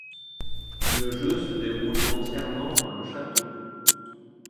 Le jeu se déroule entièrement dans le château.